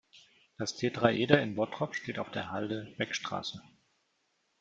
Das Tetraeder in Bottrop steht auf der Halde Beckstraße.